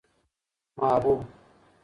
محبوب